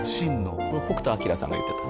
これ北斗晶さんが言ってた。